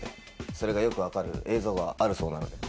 それがよく分かる映像があるそうなので。